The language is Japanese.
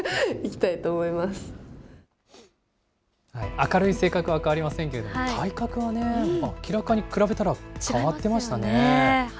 明るい性格は変わりませんけれども、体格はね、明らかに比べたら変わってましたね。